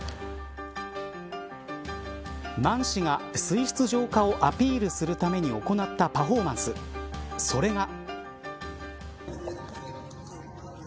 マン氏が水質浄化をアピールするために行ったパフォーマンスそれが。